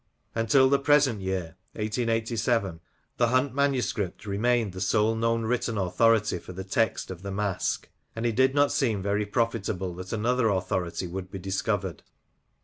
Until the present year (1887) the Hunt manuscript remained the sole known written authority for the text of The Mask, and it did not seem very probable that another authority would be discovered.